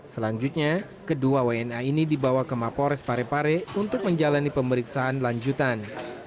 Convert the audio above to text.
selanjutnya kedua wna ini dibawa ke mapores parepare untuk menjalani pemeriksaan lanjutan